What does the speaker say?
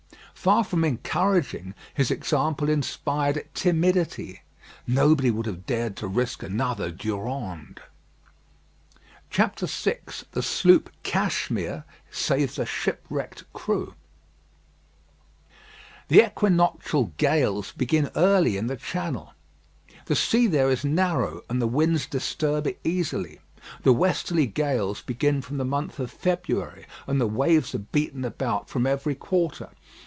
Far from encouraging, his example inspired timidity. Nobody would have dared to risk another Durande. VI THE SLOOP "CASHMERE" SAVES A SHIPWRECKED CREW The equinoctial gales begin early in the Channel. The sea there is narrow, and the winds disturb it easily. The westerly gales begin from the month of February, and the waves are beaten about from every quarter.